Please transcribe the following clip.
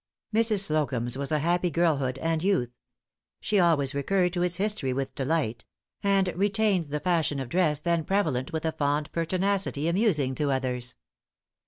Mrs. Slocumb's was a happy girlhood and youth. She always recurred to its history with delight; and retained the fashion of dress then prevalent with a fond pertinacity amusing to others.